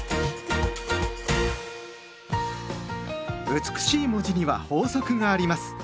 美しい文字には法則があります。